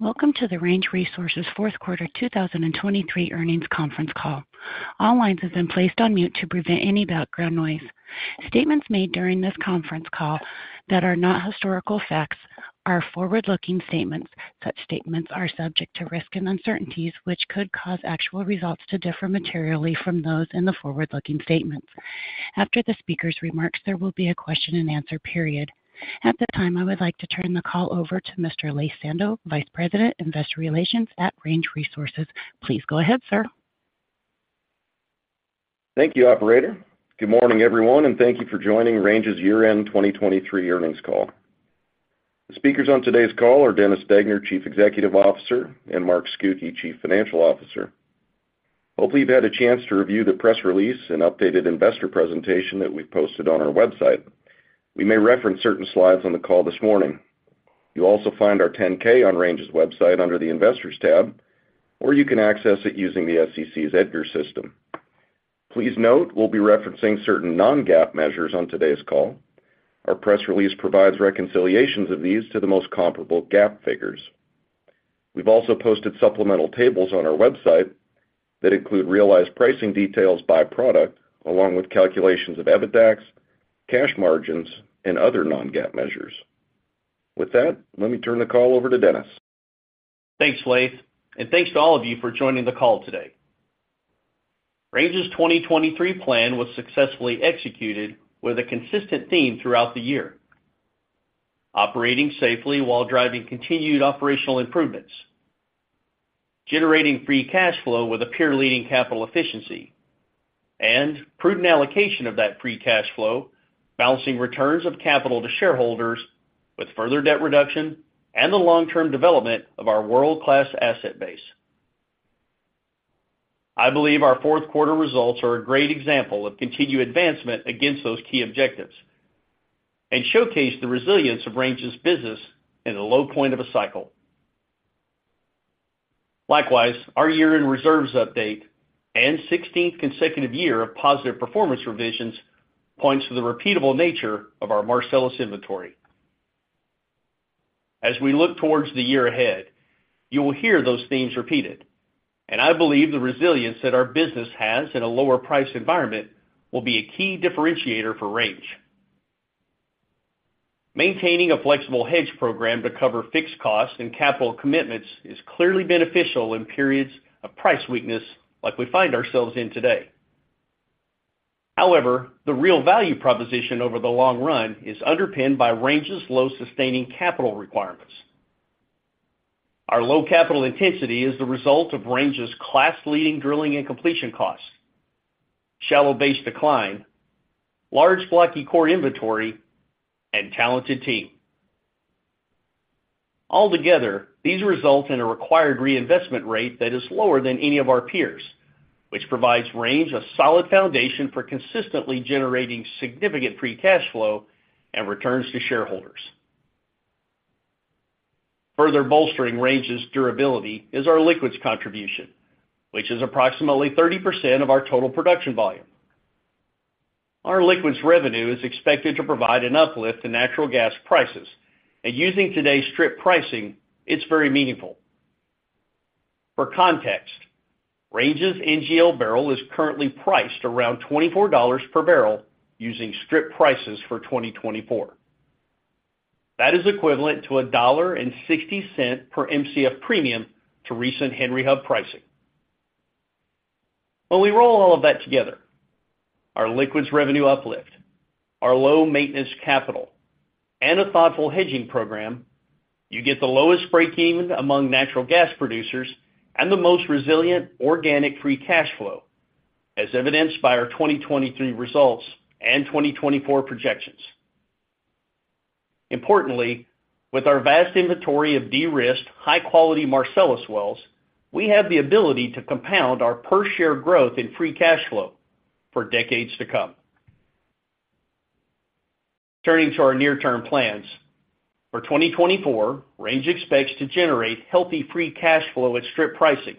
Welcome to the Range Resources Q4 2023 Earnings Conference Call. All lines have been placed on mute to prevent any background noise. Statements made during this conference call that are not historical facts are forward-looking statements. Such statements are subject to risk and uncertainties, which could cause actual results to differ materially from those in the forward-looking statements. After the speaker's remarks, there will be a question-and-answer period. At this time, I would like to turn the call over to Mr. Laith Sando, Vice President, Investor Relations at Range Resources. Please go ahead, sir. Thank you, Operator. Good morning, everyone, and thank you for joining Range's year-end 2023 earnings call. The speakers on today's call are Dennis Degner, Chief Executive Officer, and Mark Scucchi, Chief Financial Officer. Hopefully, you've had a chance to review the press release and updated investor presentation that we've posted on our website. We may reference certain slides on the call this morning. You'll also find our 10-K on Range's website under the Investors tab, or you can access it using the SEC's EDGAR system. Please note, we'll be referencing certain non-GAAP measures on today's call. Our press release provides reconciliations of these to the most comparable GAAP figures. We've also posted supplemental tables on our website that include realized pricing details by product, along with calculations of EBITDAs, cash margins, and other non-GAAP measures. With that, let me turn the call over to Dennis. Thanks, Laith, and thanks to all of you for joining the call today. Range's 2023 plan was successfully executed with a consistent theme throughout the year: operating safely while driving continued operational improvements, generating free cash flow with a peer-leading capital efficiency, and prudent allocation of that free cash flow, balancing returns of capital to shareholders with further debt reduction and the long-term development of our world-class asset base. I believe our Q4 results are a great example of continued advancement against those key objectives and showcase the resilience of Range's business in the low point of a cycle. Likewise, our year-end reserves update and 16th consecutive year of positive performance revisions points to the repeatable nature of our Marcellus inventory. As we look towards the year ahead, you will hear those themes repeated, and I believe the resilience that our business has in a lower-priced environment will be a key differentiator for Range. Maintaining a flexible hedge program to cover fixed costs and capital commitments is clearly beneficial in periods of price weakness like we find ourselves in today. However, the real value proposition over the long run is underpinned by Range's low sustaining capital requirements. Our low capital intensity is the result of Range's class-leading drilling and completion costs, shallow-based decline, large blocky core inventory, and talented team. Altogether, these result in a required reinvestment rate that is lower than any of our peers, which provides Range a solid foundation for consistently generating significant free cash flow and returns to shareholders. Further bolstering Range's durability is our liquids contribution, which is approximately 30% of our total production volume. Our liquids revenue is expected to provide an uplift to natural gas prices, and using today's strip pricing, it's very meaningful. For context, Range's NGL barrel is currently priced around $24 per barrel using strip prices for 2024. That is equivalent to $1.60 per MCF premium to recent Henry Hub pricing. When we roll all of that together, our liquids revenue uplift, our low maintenance capital, and a thoughtful hedging program, you get the lowest break-even among natural gas producers and the most resilient organic free cash flow, as evidenced by our 2023 results and 2024 projections. Importantly, with our vast inventory of de-risked, high-quality Marcellus wells, we have the ability to compound our per-share growth in free cash flow for decades to come. Turning to our near-term plans, for 2024, Range expects to generate healthy free cash flow at strip pricing,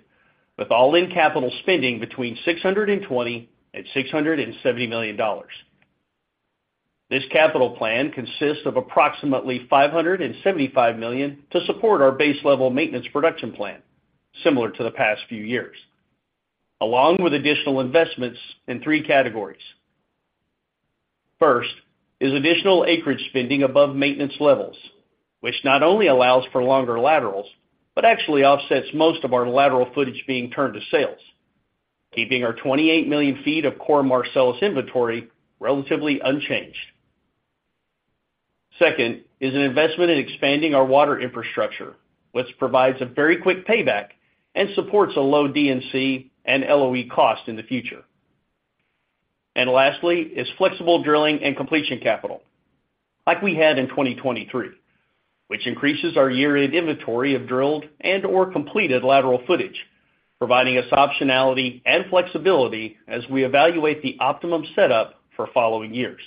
with all-in capital spending between $620 to 670 million. This capital plan consists of approximately $575 million to support our base-level maintenance production plan, similar to the past few years, along with additional investments in three categories. First is additional acreage spending above maintenance levels, which not only allows for longer laterals but actually offsets most of our lateral footage being turned to sales, keeping our 28 million feet of core Marcellus inventory relatively unchanged. Second is an investment in expanding our water infrastructure, which provides a very quick payback and supports a low D&C and LOE cost in the future. And lastly is flexible drilling and completion capital, like we had in 2023, which increases our year-end inventory of drilled and/or completed lateral footage, providing us optionality and flexibility as we evaluate the optimum setup for following years.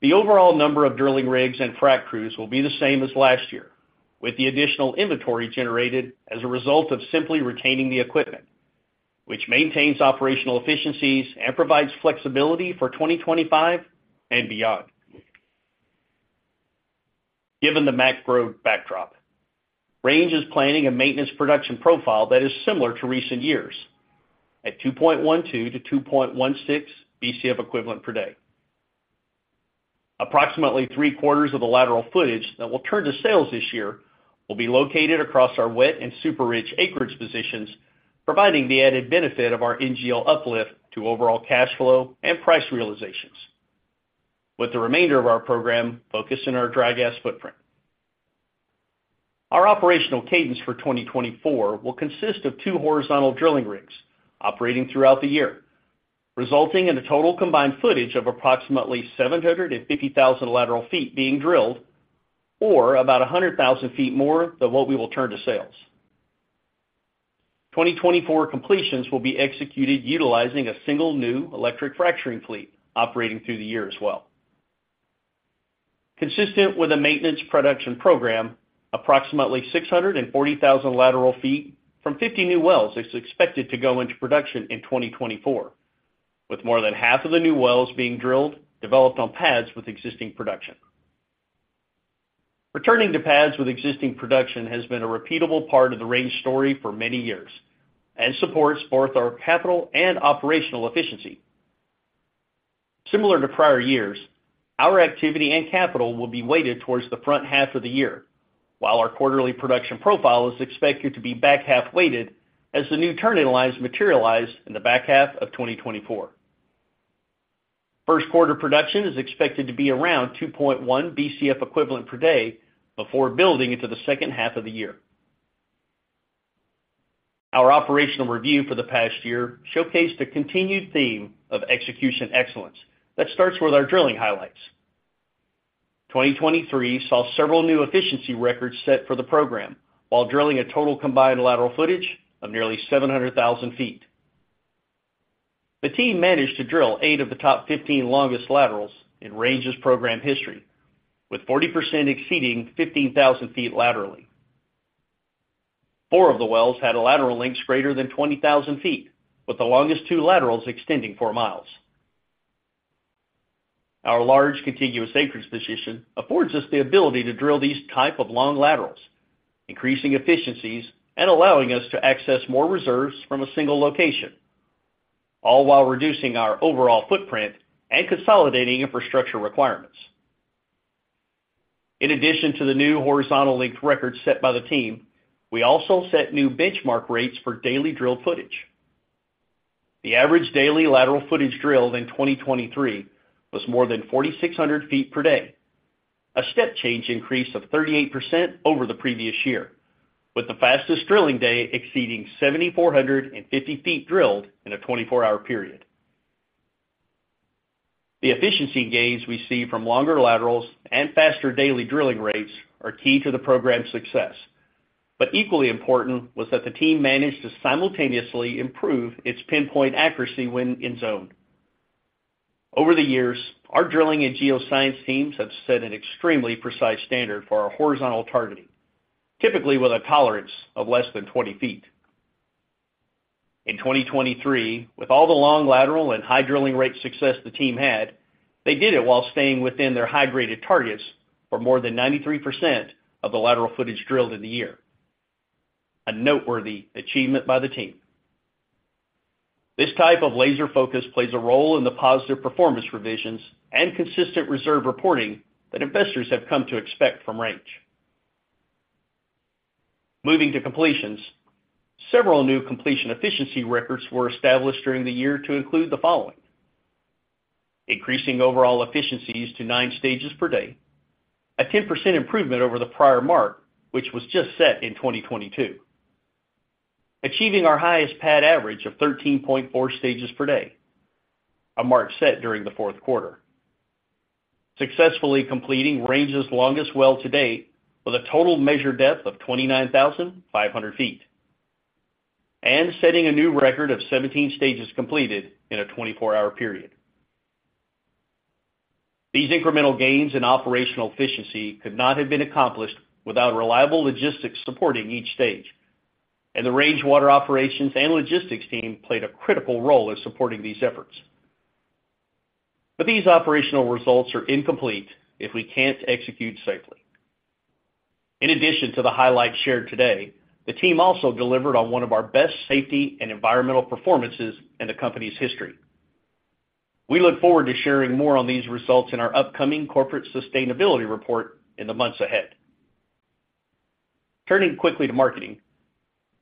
The overall number of drilling rigs and frac crews will be the same as last year, with the additional inventory generated as a result of simply retaining the equipment, which maintains operational efficiencies and provides flexibility for 2025 and beyond. Given the macro backdrop, Range is planning a maintenance production profile that is similar to recent years, at 2.12 to 2.16 BCF equivalent per day. Approximately three-quarters of the lateral footage that will turn to sales this year will be located across our wet and super-rich acreage positions, providing the added benefit of our NGL uplift to overall cash flow and price realizations, with the remainder of our program focused on our dry gas footprint. Our operational cadence for 2024 will consist of two horizontal drilling rigs operating throughout the year, resulting in a total combined footage of approximately 750,000 lateral feet being drilled or about 100,000 feet more than what we will turn to sales. 2024 completions will be executed utilizing a single new electric fracturing fleet operating through the year as well. Consistent with a maintenance production program, approximately 640,000 lateral feet from 50 new wells is expected to go into production in 2024, with more than half of the new wells being drilled, developed on pads with existing production. Returning to pads with existing production has been a repeatable part of the Range story for many years and supports both our capital and operational efficiency. Similar to prior years, our activity and capital will be weighted towards the front half of the year, while our quarterly production profile is expected to be back-half weighted as the new turn-in lines materialize in the back half of 2024. Q1 production is expected to be around 2.1 BCF equivalent per day before building into the second half of the year. Our operational review for the past year showcased a continued theme of execution excellence that starts with our drilling highlights. 2023 saw several new efficiency records set for the program while drilling a total combined lateral footage of nearly 700,000 feet. The team managed to drill eight of the top 15 longest laterals in Range's program history, with 40% exceeding 15,000 feet laterally. Four of the wells had a lateral length greater than 20,000 feet, with the longest two laterals extending four miles. Our large contiguous acreage position affords us the ability to drill these type of long laterals, increasing efficiencies and allowing us to access more reserves from a single location, all while reducing our overall footprint and consolidating infrastructure requirements. In addition to the new horizontal length records set by the team, we also set new benchmark rates for daily drilled footage. The average daily lateral footage drilled in 2023 was more than 4,600 feet per day, a step change increase of 38% over the previous year, with the fastest drilling day exceeding 7,450 feet drilled in a 24-hour period. The efficiency gains we see from longer laterals and faster daily drilling rates are key to the program's success, but equally important was that the team managed to simultaneously improve its pinpoint accuracy when in zone. Over the years, our drilling and geoscience teams have set an extremely precise standard for our horizontal targeting, typically with a tolerance of less than 20 feet. In 2023, with all the long lateral and high drilling rate success the team had, they did it while staying within their high-graded targets for more than 93% of the lateral footage drilled in the year, a noteworthy achievement by the team. This type of laser-focus plays a role in the positive performance revisions and consistent reserve reporting that investors have come to expect from Range. Moving to completions, several new completion efficiency records were established during the year to include the following: increasing overall efficiencies to 9 stages per day, a 10% improvement over the prior mark, which was just set in 2022. Achieving our highest pad average of 13.4 stages per day, a mark set during the Q4. Successfully completing Range's longest well to date with a total measured depth of 29,500 feet. And setting a new record of 17 stages completed in a 24-hour period. These incremental gains in operational efficiency could not have been accomplished without reliable logistics supporting each stage, and the Range water operations and logistics team played a critical role in supporting these efforts. But these operational results are incomplete if we can't execute safely. In addition to the highlights shared today, the team also delivered on one of our best safety and environmental performances in the company's history. We look forward to sharing more on these results in our upcoming corporate sustainability report in the months ahead. Turning quickly to marketing,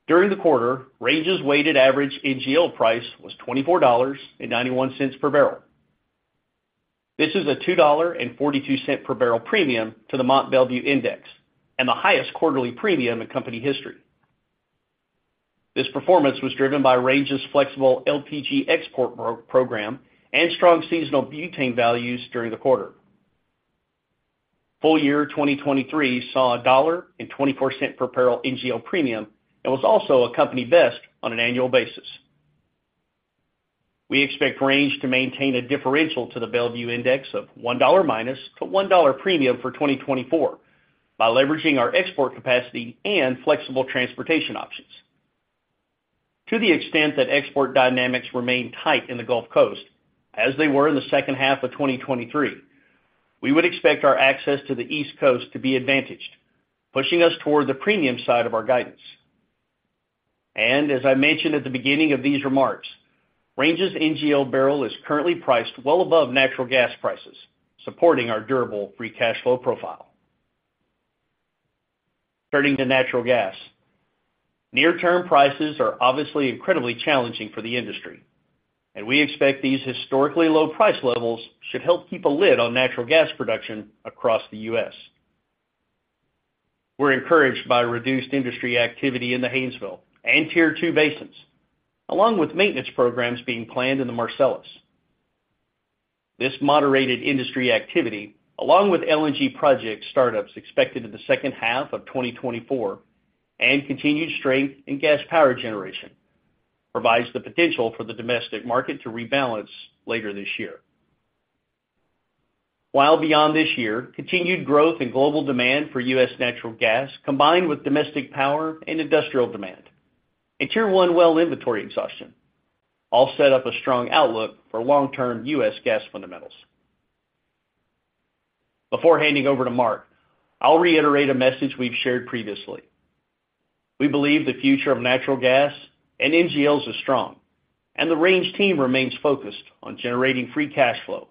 during the quarter, Range's weighted average NGL price was $24.91 per barrel. This is a $2.42 per barrel premium to the Mont Belvieu Index and the highest quarterly premium in company history. This performance was driven by Range's flexible LPG export program and strong seasonal butane values during the quarter. Full year 2023 saw a $1.24 per barrel NGL premium and was also a company best on an annual basis. We expect Range to maintain a differential to the Belvieu Index of -$1 to 1 premium for 2024 by leveraging our export capacity and flexible transportation options. To the extent that export dynamics remain tight in the Gulf Coast, as they were in the second half of 2023, we would expect our access to the East Coast to be advantaged, pushing us toward the premium side of our guidance. And as I mentioned at the beginning of these remarks, Range's NGL barrel is currently priced well above natural gas prices, supporting our durable free cash flow profile. Turning to natural gas, near-term prices are obviously incredibly challenging for the industry, and we expect these historically low price levels should help keep a lid on natural gas production across the US We're encouraged by reduced industry activity in the Haynesville and Tier 2 basins, along with maintenance programs being planned in the Marcellus. This moderated industry activity, along with LNG project startups expected in the second half of 2024 and continued strength in gas power generation, provides the potential for the domestic market to rebalance later this year. While beyond this year, continued growth in global demand for US natural gas, combined with domestic power and industrial demand, and Tier 1 well inventory exhaustion all set up a strong outlook for long-term US gas fundamentals. Before handing over to Mark, I'll reiterate a message we've shared previously. We believe the future of natural gas and NGLs is strong, and the Range team remains focused on generating free cash flow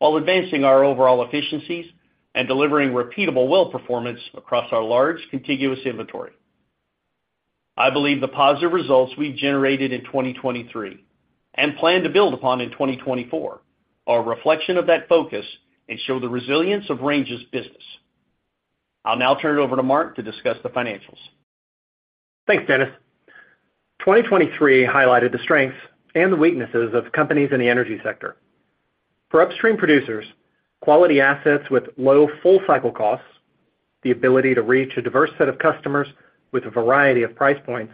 while advancing our overall efficiencies and delivering repeatable well performance across our large contiguous inventory. I believe the positive results we've generated in 2023 and plan to build upon in 2024 are a reflection of that focus and show the resilience of Range's business. I'll now turn it over to Mark to discuss the financials. Thanks, Dennis. 2023 highlighted the strengths and the weaknesses of companies in the energy sector. For upstream producers, quality assets with low full-cycle costs, the ability to reach a diverse set of customers with a variety of price points,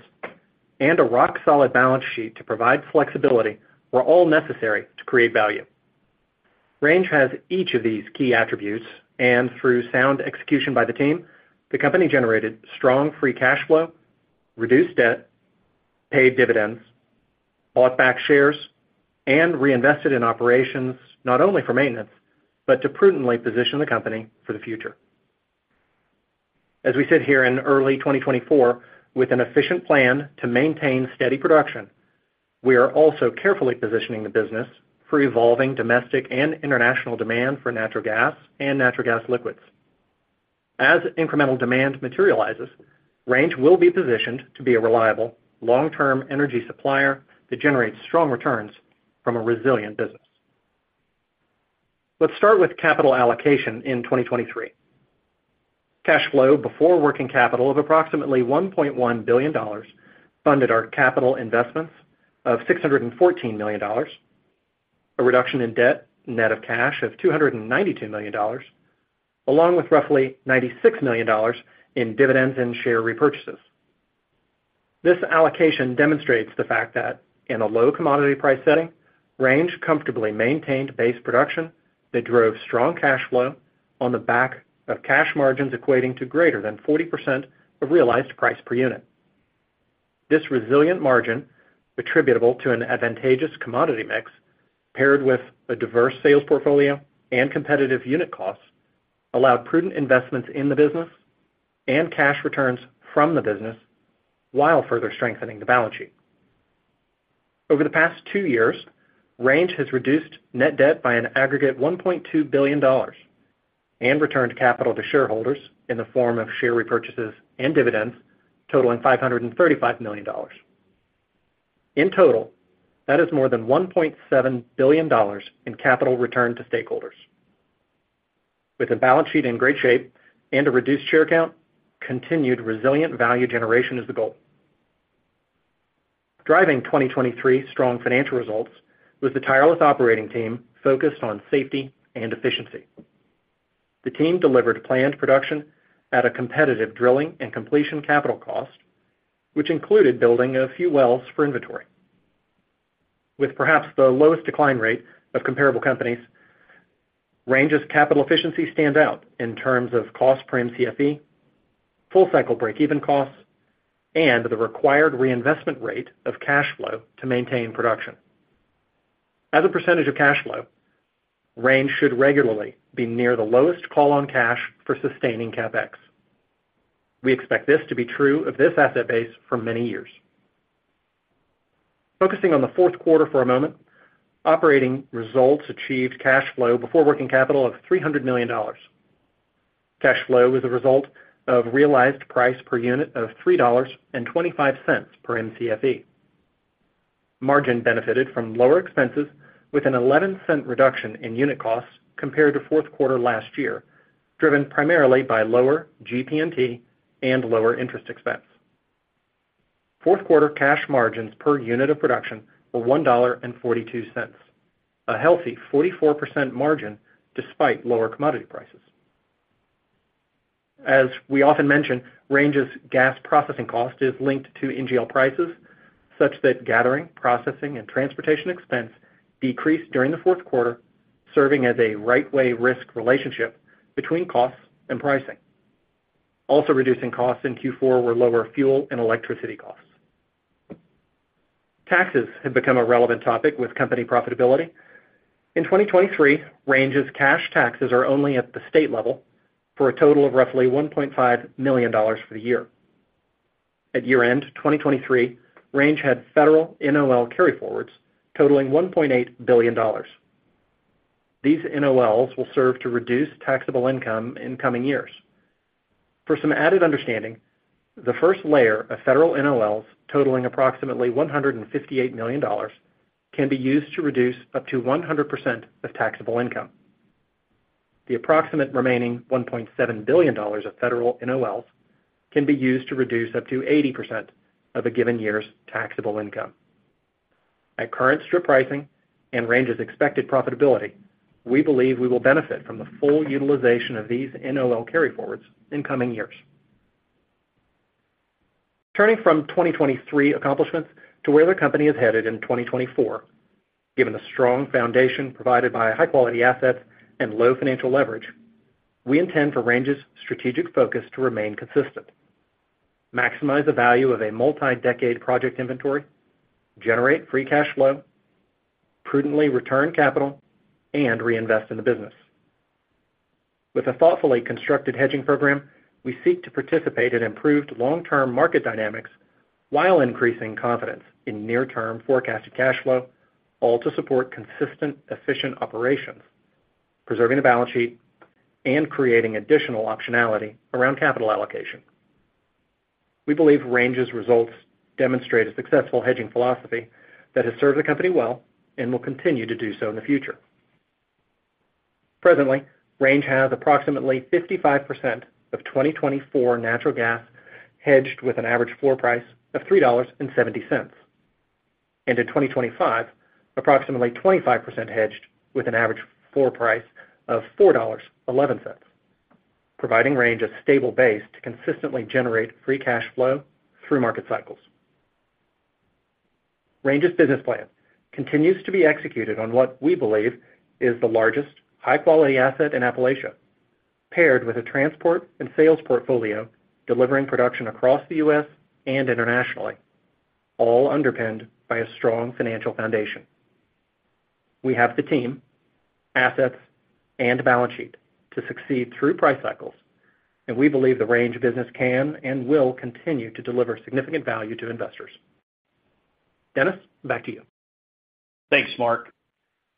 and a rock-solid balance sheet to provide flexibility were all necessary to create value. Range has each of these key attributes, and through sound execution by the team, the company generated strong free cash flow, reduced debt, paid dividends, bought back shares, and reinvested in operations not only for maintenance but to prudently position the company for the future. As we sit here in early 2024 with an efficient plan to maintain steady production, we are also carefully positioning the business for evolving domestic and international demand for natural gas and natural gas liquids. As incremental demand materializes, Range will be positioned to be a reliable, long-term energy supplier that generates strong returns from a resilient business. Let's start with capital allocation in 2023. Cash flow before working capital of approximately $1.1 billion funded our capital investments of $614 million, a reduction in debt net of cash of $292 million, along with roughly $96 million in dividends and share repurchases. This allocation demonstrates the fact that, in a low commodity price setting, Range comfortably maintained base production that drove strong cash flow on the back of cash margins equating to greater than 40% of realized price per unit. This resilient margin, attributable to an advantageous commodity mix paired with a diverse sales portfolio and competitive unit costs, allowed prudent investments in the business and cash returns from the business while further strengthening the balance sheet. Over the past two years, Range has reduced net debt by an aggregate $1.2 billion and returned capital to shareholders in the form of share repurchases and dividends, totaling $535 million. In total, that is more than $1.7 billion in capital returned to stakeholders. With a balance sheet in great shape and a reduced share count, continued resilient value generation is the goal. Driving 2023's strong financial results was the tireless operating team focused on safety and efficiency. The team delivered planned production at a competitive drilling and completion capital cost, which included building a few wells for inventory. With perhaps the lowest decline rate of comparable companies, Range's capital efficiency stands out in terms of cost per MCFE, full-cycle breakeven costs, and the required reinvestment rate of cash flow to maintain production. As a percentage of cash flow, Range should regularly be near the lowest call-on cash for sustaining CapEx. We expect this to be true of this asset base for many years. Focusing on the Q4 for a moment, operating results achieved cash flow before working capital of $300 million. Cash flow was a result of realized price per unit of $3.25 per MCFE. Margin benefited from lower expenses with a $0.11 reduction in unit costs compared to Q4 last year, driven primarily by lower GP&T and lower interest expense. Q4 cash margins per unit of production were $1.42, a healthy 44% margin despite lower commodity prices. As we often mention, Range's gas processing cost is linked to NGL prices such that gathering, processing, and transportation expense decreased during the Q4, serving as a right-way risk relationship between costs and pricing. Also reducing costs in Q4 were lower fuel and electricity costs. Taxes have become a relevant topic with company profitability. In 2023, Range's cash taxes are only at the state level for a total of roughly $1.5 million for the year. At year-end 2023, Range had federal NOL carryforwards totaling $1.8 billion. These NOLs will serve to reduce taxable income in coming years. For some added understanding, the first layer of federal NOLs totaling approximately $158 million can be used to reduce up to 100% of taxable income. The approximate remaining $1.7 billion of federal NOLs can be used to reduce up to 80% of a given year's taxable income. At current strip pricing and Range's expected profitability, we believe we will benefit from the full utilization of these NOL carryforwards in coming years. Turning from 2023 accomplishments to where the company is headed in 2024, given the strong foundation provided by high-quality assets and low financial leverage, we intend for Range's strategic focus to remain consistent: maximize the value of a multi-decade project inventory, generate free cash flow, prudently return capital, and reinvest in the business. With a thoughtfully constructed hedging program, we seek to participate in improved long-term market dynamics while increasing confidence in near-term forecasted cash flow, all to support consistent, efficient operations, preserving the balance sheet, and creating additional optionality around capital allocation. We believe Range's results demonstrate a successful hedging philosophy that has served the company well and will continue to do so in the future. Presently, Range has approximately 55% of 2024 natural gas hedged with an average floor price of $3.70, and in 2025, approximately 25% hedged with an average floor price of $4.11, providing Range a stable base to consistently generate free cash flow through market cycles. Range's business plan continues to be executed on what we believe is the largest high-quality asset in Appalachia, paired with a transport and sales portfolio delivering production across the US and internationally, all underpinned by a strong financial foundation. We have the team, assets, and balance sheet to succeed through price cycles, and we believe the Range business can and will continue to deliver significant value to investors. Dennis, back to you. Thanks, Mark.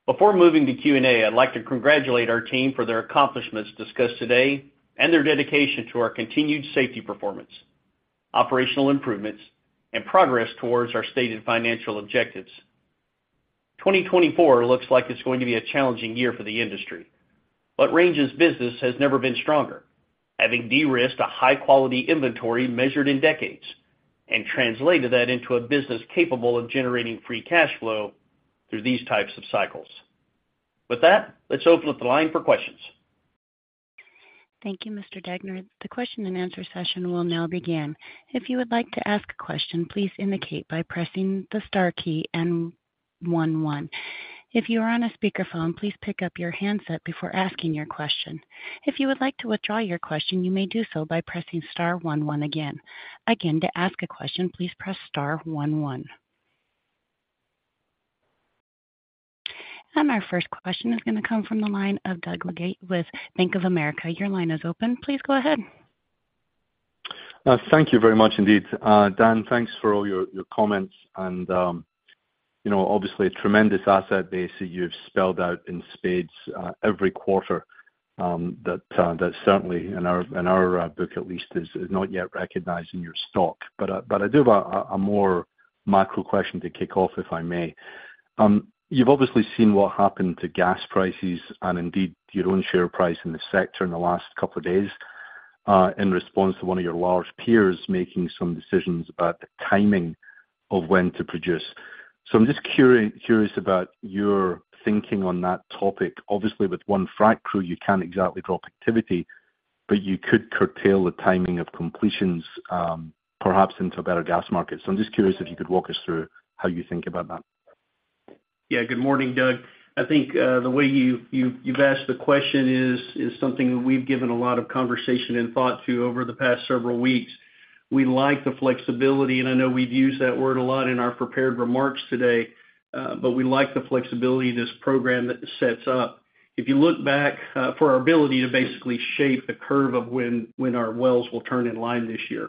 Before moving to Q&A, I'd like to congratulate our team for their accomplishments discussed today and their dedication to our continued safety performance, operational improvements, and progress towards our stated financial objectives. 2024 looks like it's going to be a challenging year for the industry, but Range's business has never been stronger, having de-risked a high-quality inventory measured in decades and translated that into a business capable of generating free cash flow through these types of cycles. With that, let's open up the line for questions. Thank you, Mr. Degner. The question-and-answer session will now begin. If you would like to ask a question, please indicate by pressing the star key and one one. If you are on a speakerphone, please pick up your handset before asking your question. If you would like to withdraw your question, you may do so by pressing star one one again. Again, to ask a question, please press star one one. And our first question is going to come from the line of Doug Leggate with Bank of America. Your line is open. Please go ahead. Thank you very much indeed, Dan. Thanks for all your comments. Obviously, a tremendous asset base that you've spelled out in spades every quarter that certainly, in our book at least, is not yet recognized in your stock. But I do have a more macro question to kick off, if I may. You've obviously seen what happened to gas prices and indeed your own share price in the sector in the last couple of days in response to one of your large peers making some decisions about the timing of when to produce. So I'm just curious about your thinking on that topic. Obviously, with one frac crew, you can't exactly drop activity, but you could curtail the timing of completions, perhaps into a better gas market. So I'm just curious if you could walk us through how you think about that. Yeah. Good morning, Doug. I think the way you've asked the question is something that we've given a lot of conversation and thought to over the past several weeks. We like the flexibility, and I know we've used that word a lot in our prepared remarks today, but we like the flexibility this program sets up. If you look back for our ability to basically shape the curve of when our wells will turn in line this year,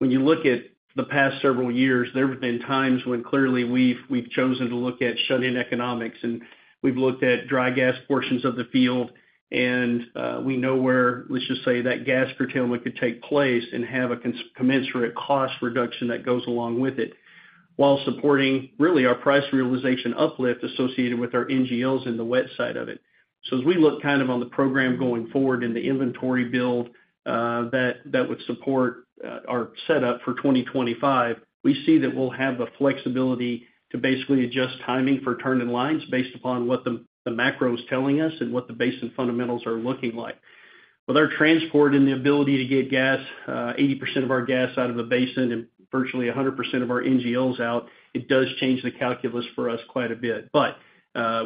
when you look at the past several years, there have been times when clearly we've chosen to look at shutting economics, and we've looked at dry gas portions of the field, and we know where, let's just say, that gas curtailment could take place and have a commensurate cost reduction that goes along with it while supporting really our price realization uplift associated with our NGLs and the wet side of it. So as we look kind of on the program going forward and the inventory build that would support our setup for 2025, we see that we'll have the flexibility to basically adjust timing for turn-in lines based upon what the macro is telling us and what the basin fundamentals are looking like. With our transport and the ability to get gas, 80% of our gas out of the basin and virtually 100% of our NGLs out, it does change the calculus for us quite a bit. But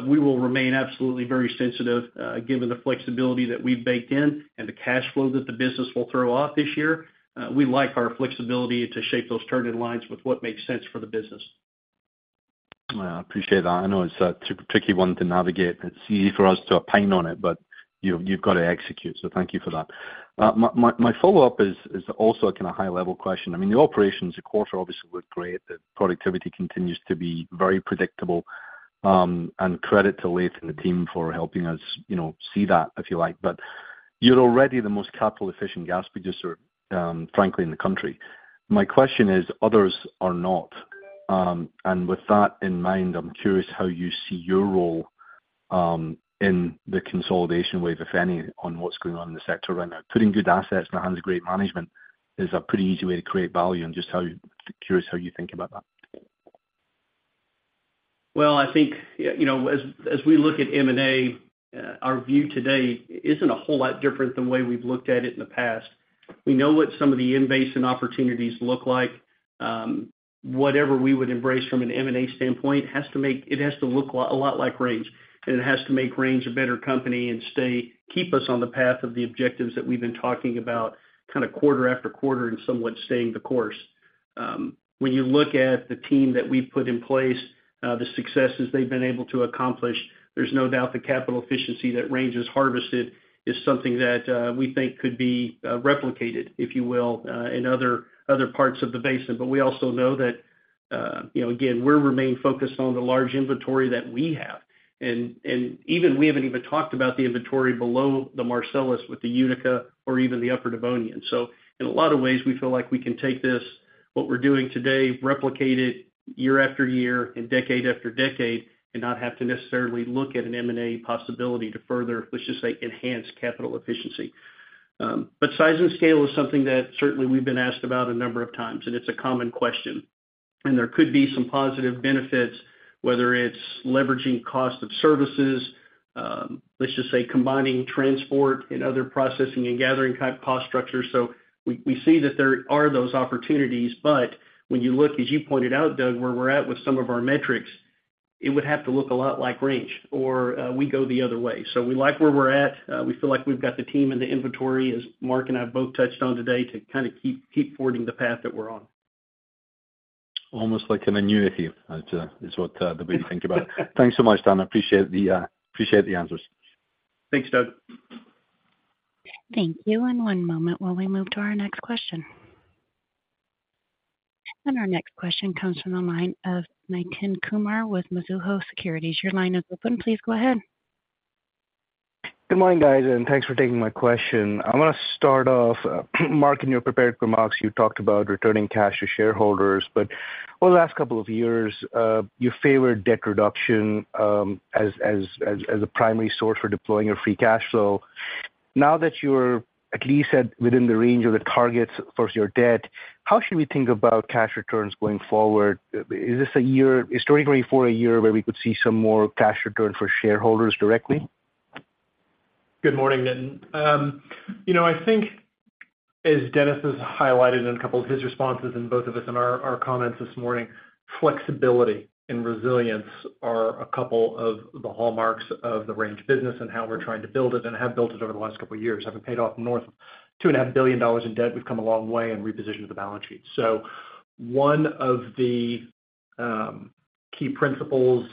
we will remain absolutely very sensitive given the flexibility that we've baked in and the cash flow that the business will throw off this year. We like our flexibility to shape those turn-in lines with what makes sense for the business. Well, I appreciate that. I know it's a tricky one to navigate. It's easy for us to opine on it, but you've got to execute. So thank you for that. My follow-up is also kind of a high-level question. I mean, the operations a quarter obviously looked great. The productivity continues to be very predictable. And credit to Laith and the team for helping us see that, if you like. But you're already the most capital-efficient gas producer, frankly, in the country. My question is, others are not. And with that in mind, I'm curious how you see your role in the consolidation wave, if any, on what's going on in the sector right now. Putting good assets in the hands of great management is a pretty easy way to create value. I'm just curious how you think about that. Well, I think as we look at M&A, our view today isn't a whole lot different than the way we've looked at it in the past. We know what some of the in-basin opportunities look like. Whatever we would embrace from an M&A standpoint, it has to look a lot like Range, and it has to make Range a better company and keep us on the path of the objectives that we've been talking about kind of quarter after quarter and somewhat staying the course. When you look at the team that we've put in place, the successes they've been able to accomplish, there's no doubt the capital efficiency that Range has harvested is something that we think could be replicated, if you will, in other parts of the basin. But we also know that, again, we're remaining focused on the large inventory that we have. And even we haven't even talked about the inventory below the Marcellus with the Utica or even the Upper Devonian. So in a lot of ways, we feel like we can take what we're doing today, replicate it year after year and decade after decade and not have to necessarily look at an M&A possibility to further, let's just say, enhance capital efficiency. But size and scale is something that certainly we've been asked about a number of times, and it's a common question. And there could be some positive benefits, whether it's leveraging cost of services, let's just say, combining transport and other processing and gathering-type cost structures. So we see that there are those opportunities. But when you look, as you pointed out, Doug, where we're at with some of our metrics, it would have to look a lot like Range, or we go the other way. So we like where we're at. We feel like we've got the team and the inventory, as Mark and I have both touched on today, to kind of keep forging the path that we're on. Almost like an annuity is what the way we think about it. Thanks so much, Dan. I appreciate the answers. Thanks, Doug. Thank you. One moment while we move to our next question. Our next question comes from the line of Nitin Kumar with Mizuho Securities. Your line is open. Please go ahead. Good morning, guys, and thanks for taking my question. I'm going to start off, Mark, in your prepared remarks. You talked about returning cash to shareholders, but over the last couple of years, you favored debt reduction as a primary source for deploying your free cash flow. Now that you're at least within the range of the targets for your debt, how should we think about cash returns going forward? Is this a year, is 2024 a year where we could see some more cash return for shareholders directly? Good morning, Nitin. I think, as Dennis has highlighted in a couple of his responses and both of us in our comments this morning, flexibility and resilience are a couple of the hallmarks of the Range business and how we're trying to build it and have built it over the last couple of years. Having paid off north of $2.5 billion in debt, we've come a long way and repositioned the balance sheet. So one of the key principles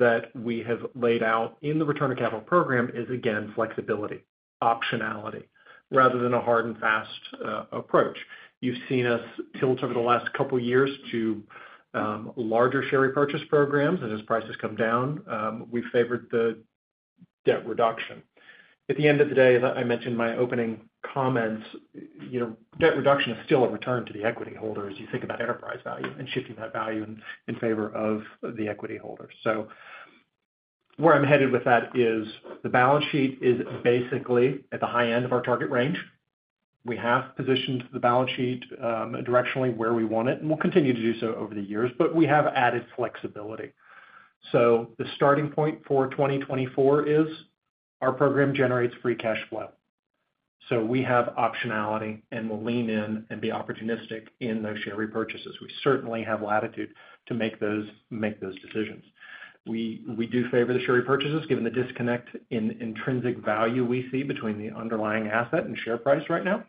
that we have laid out in the return of capital program is, again, flexibility, optionality, rather than a hard and fast approach. You've seen us tilt over the last couple of years to larger share repurchase programs, and as prices come down, we've favored the debt reduction. At the end of the day, as I mentioned in my opening comments, debt reduction is still a return to the equity holder as you think about enterprise value and shifting that value in favor of the equity holder. So where I'm headed with that is the balance sheet is basically at the high end of our target range. We have positioned the balance sheet directionally where we want it, and we'll continue to do so over the years, but we have added flexibility. So the starting point for 2024 is our program generates free cash flow. So we have optionality, and we'll lean in and be opportunistic in those share repurchases. We certainly have latitude to make those decisions. We do favor the share repurchases given the disconnect in intrinsic value we see between the underlying asset and share price right now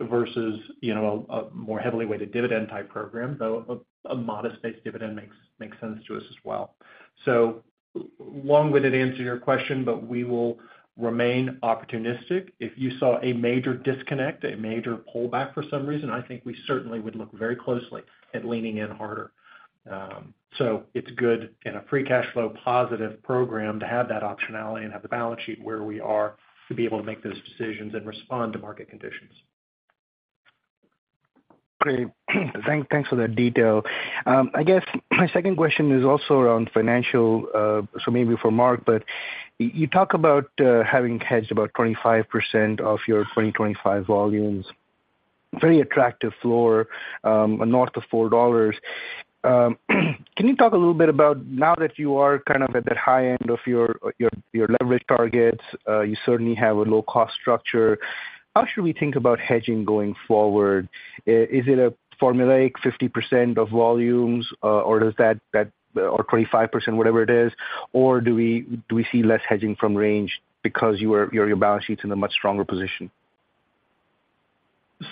versus a more heavily weighted dividend-type program, though a modest-based dividend makes sense to us as well. So long-winded answer to your question, but we will remain opportunistic. If you saw a major disconnect, a major pullback for some reason, I think we certainly would look very closely at leaning in harder. So it's good in a free cash flow positive program to have that optionality and have the balance sheet where we are to be able to make those decisions and respond to market conditions. Okay. Thanks for that detail. I guess my second question is also around financial, so maybe for Mark, but you talk about having hedged about 25% of your 2025 volumes, very attractive floor, north of $4. Can you talk a little bit about now that you are kind of at that high end of your leverage targets, you certainly have a low-cost structure, how should we think about hedging going forward? Is it a formulaic 50% of volumes, or does that or 25%, whatever it is, or do we see less hedging from Range because your balance sheet's in a much stronger position?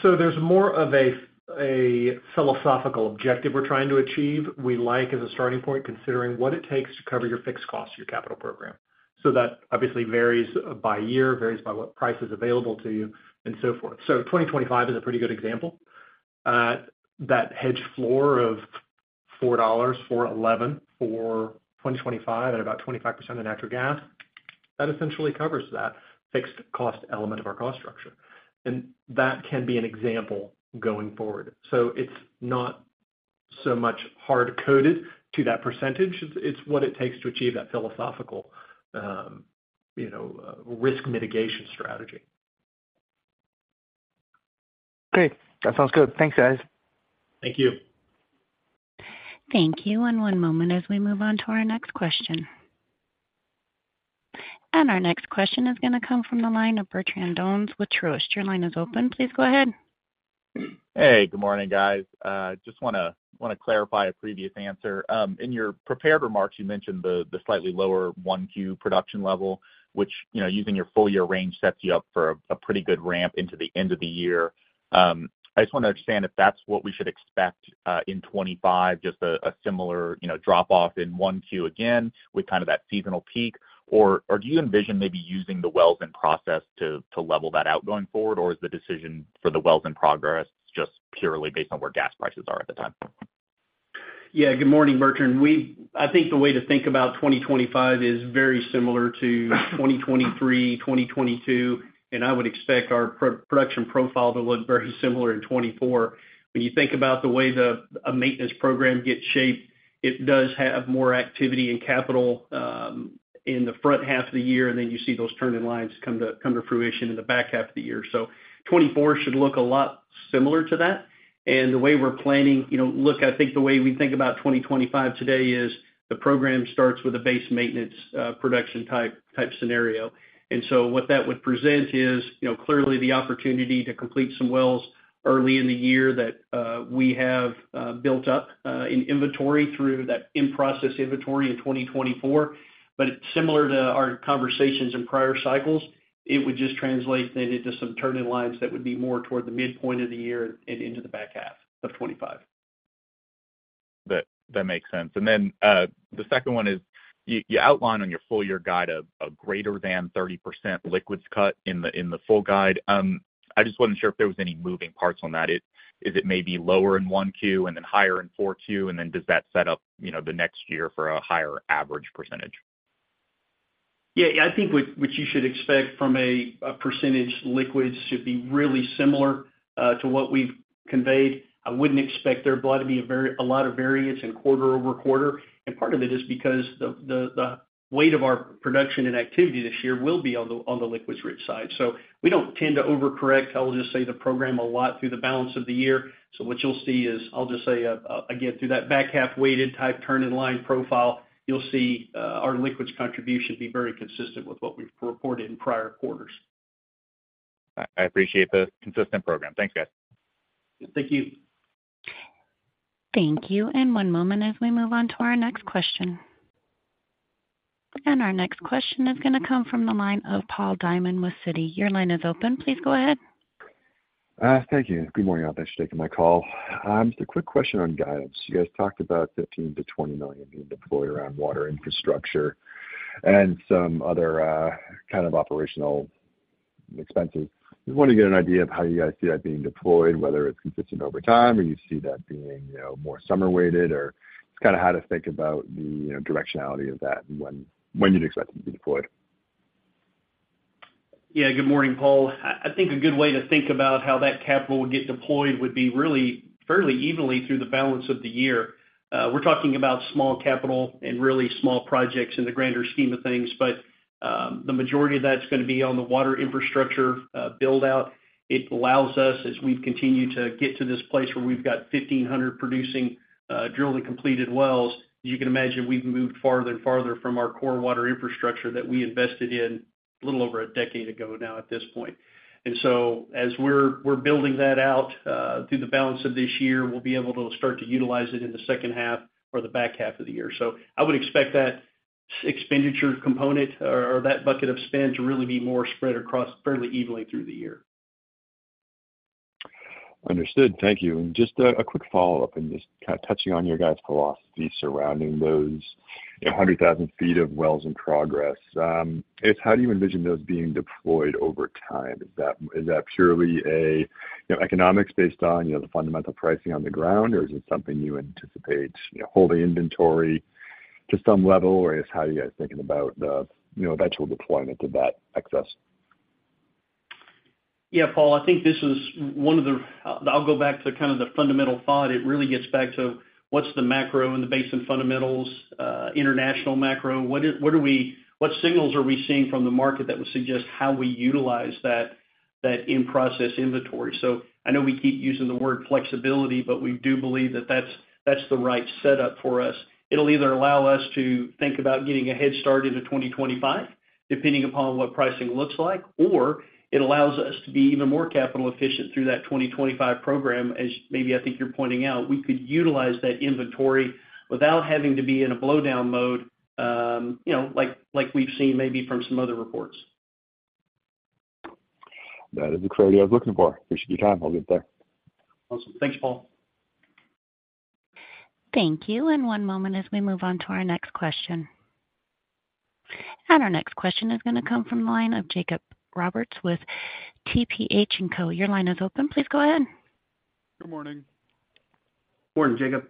So there's more of a philosophical objective we're trying to achieve. We like, as a starting point, considering what it takes to cover your fixed costs, your capital program. So that obviously varies by year, varies by what price is available to you, and so forth. So 2025 is a pretty good example. That hedge floor of $4 to 4.11 for 2025 at about 25% of natural gas, that essentially covers that fixed-cost element of our cost structure. That can be an example going forward. So it's not so much hard-coded to that percentage. It's what it takes to achieve that philosophical risk mitigation strategy. Okay. That sounds good. Thanks, guys. Thank you. Thank you. One moment as we move on to our next question. Our next question is going to come from the line of Bertrand Donnes with Truist. Your line is open. Please go ahead. Hey. Good morning, guys. Just want to clarify a previous answer. In your prepared remarks, you mentioned the slightly lower Q1 production level, which using your full-year range sets you up for a pretty good ramp into the end of the year. I just want to understand if that's what we should expect in 2025, just a similar drop-off in Q1 again with kind of that seasonal peak, or do you envision maybe using the wells-in process to level that out going forward, or is the decision for the wells-in progress just purely based on where gas prices are at the time? Yeah. Good morning, Bertrand. I think the way to think about 2025 is very similar to 2023, 2022, and I would expect our production profile to look very similar in 2024. When you think about the way a maintenance program gets shaped, it does have more activity and capital in the front half of the year, and then you see those turn-in lines come to fruition in the back half of the year. So 2024 should look a lot similar to that. The way we're planning look, I think the way we think about 2025 today is the program starts with a base maintenance production-type scenario. And so what that would present is clearly the opportunity to complete some wells early in the year that we have built up in inventory through that in-process inventory in 2024. But similar to our conversations in prior cycles, it would just translate then into some turn-in lines that would be more toward the midpoint of the year and into the back half of 2025. That makes sense. And then the second one is you outline on your full-year guide a greater-than 30% liquids cut in the full guide. I just wasn't sure if there were any moving parts on that. Is it maybe lower in Q1 and then higher in Q4, and then does that set up the next year for a higher average percentage? Yeah. I think what you should expect from a percentage liquids should be really similar to what we've conveyed. I wouldn't expect there to be a lot of variance in quarter-over-quarter. And part of it is because the weight of our production and activity this year will be on the liquids-rich side. So we don't tend to overcorrect, I'll just say, the program a lot through the balance of the year. So what you'll see is, I'll just say, again, through that back-half-weighted-type turn-in line profile, you'll see our liquids contribution be very consistent with what we've reported in prior quarters. I appreciate the consistent program. Thanks, guys. Thank you. Thank you. And one moment as we move on to our next question. And our next question is going to come from the line of Paul Diamond with Citi. Your line is open. Please go ahead. Thank you. Good morning, all. Thanks for taking my call. Just a quick question on guidance. You guys talked about $15 to 20 million being deployed around water infrastructure and some other kind of operational expenses. I just want to get an idea of how you guys see that being deployed, whether it's consistent over time or you see that being more summer-weighted, or just kind of how to think about the directionality of that and when you'd expect it to be deployed. Yeah. Good morning, Paul. I think a good way to think about how that capital would get deployed would be really fairly evenly through the balance of the year. We're talking about small capital and really small projects in the grander scheme of things, but the majority of that's going to be on the water infrastructure buildout. It allows us, as we've continued to get to this place where we've got 1,500 drilled and completed wells, as you can imagine, we've moved farther and farther from our core water infrastructure that we invested in a little over a decade ago now at this point. And so as we're building that out through the balance of this year, we'll be able to start to utilize it in the second half or the back half of the year. So I would expect that expenditure component or that bucket of spend to really be more spread across fairly evenly through the year. Understood. Thank you. And just a quick follow-up and just kind of touching on your guys' philosophy surrounding those 100,000 feet of wells in progress, how do you envision those being deployed over time? Is that purely economics based on the fundamental pricing on the ground, or is it something you anticipate holding inventory to some level, or how are you guys thinking about the eventual deployment of that excess? Yeah, Paul. I think this is one of those. I'll go back to kind of the fundamental thought. It really gets back to what's the macro and the basics and fundamentals, international macro. What signals are we seeing from the market that would suggest how we utilize that in-process inventory? So I know we keep using the word flexibility, but we do believe that that's the right setup for us. It'll either allow us to think about getting a head start into 2025, depending upon what pricing looks like, or it allows us to be even more capital-efficient through that 2025 program. As maybe I think you're pointing out, we could utilize that inventory without having to be in a blowdown mode like we've seen maybe from some other reports. That is exactly what I was looking for. Appreciate your time. I'll get there. Awesome. Thanks, Paul. Thank you. And one moment as we move on to our next question. And our next question is going to come from the line of Jacob Roberts with TPH & Co. Your line is open. Please go ahead. Good morning. Good morning, Jacob.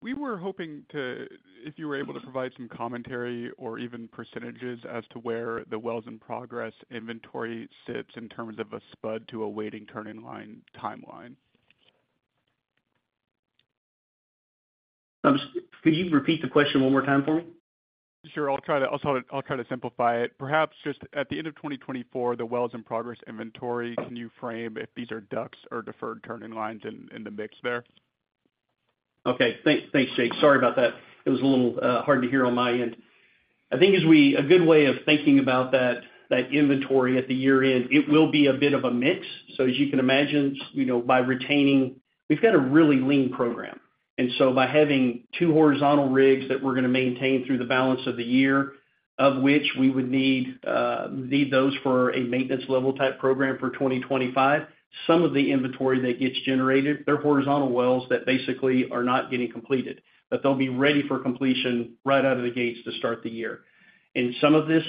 We were hoping if you were able to provide some commentary or even percentages as to where the wells-in-progress inventory sits in terms of a spud to a waiting turn-in line timeline. Could you repeat the question one more time for me? Sure. I'll try to simplify it. Perhaps just at the end of 2024, the wells-in-progress inventory, can you frame if these are DUCs or deferred turn-in lines in the mix there? Okay. Thanks, Jake. Sorry about that. It was a little hard to hear on my end. I think a good way of thinking about that inventory at the year-end, it will be a bit of a mix. So as you can imagine, by retaining we've got a really lean program. And so by having two horizontal rigs that we're going to maintain through the balance of the year, of which we would need those for a maintenance-level type program for 2025, some of the inventory that gets generated, they're horizontal wells that basically are not getting completed, but they'll be ready for completion right out of the gates to start the year. And some of this